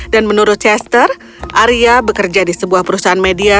dan menurut chester arya bekerja di sebuah perusahaan media